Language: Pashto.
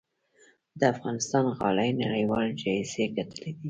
د افغانستان غالۍ نړیوال جایزې ګټلي دي